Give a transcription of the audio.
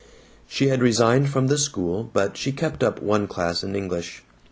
She had resigned from the school, but she kept up one class in English.